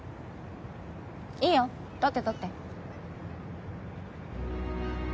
いいよ撮って撮って。